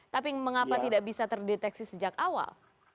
tapi mengapa tidak bisa terdeteksi sejak awal